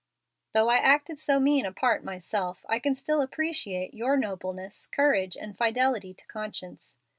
Though I acted so mean a part myself, I can still appreciate your nobleness, courage, and fidelity to conscience.